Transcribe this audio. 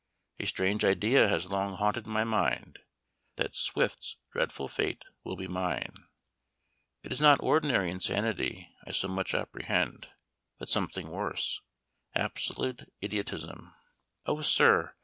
A strange idea has long haunted my mind, that Swift's dreadful fate will be mine. It is not ordinary insanity I so much apprehend, but something worse absolute idiotism! "O sir!